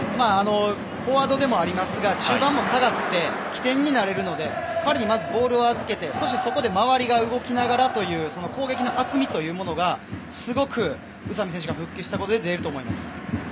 フォワードでもありますが中盤にも下がって起点にもなれるので彼にボールを預けて周りが動きながらという攻撃の厚みというものがすごく宇佐美選手が復帰したことで出ると思います。